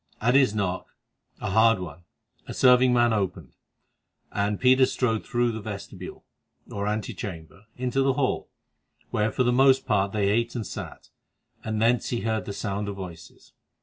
At his knock—a hard one—a serving man opened, and Peter strode through the vestibule, or ante chamber, into the hall, where for the most part they ate and sat, for thence he heard the sound of voices.